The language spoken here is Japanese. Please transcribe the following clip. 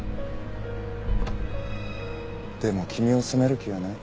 でも君を責める気はない。